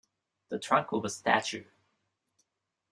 The trunk of a statue.